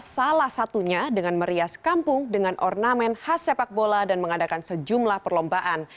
salah satunya dengan merias kampung dengan ornamen khas sepak bola dan mengadakan sejumlah perlombaan